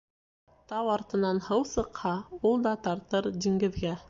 Тау артынан һыу сыҡһа, ул да тартыр диңгеҙгә.